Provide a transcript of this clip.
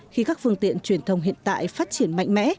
khi các phương tiện truyền thông hiện tại phát triển mạnh mẽ